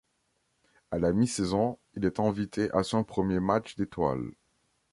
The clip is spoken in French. À la mi-saison, il est invité à son premier match d'étoiles.